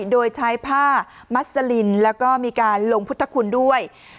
โดยใช้ผ้ามัสลินแล้วก็มีการลงพุทธคุณด้วย